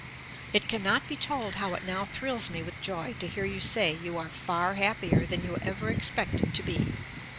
It cannot be told how it now thrills me with joy to hear you say you are 'far happier than you ever expected to be.'..